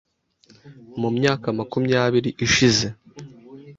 Mu myaka makumyabiri ishize